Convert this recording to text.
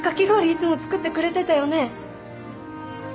いつも作ってくれてたよね。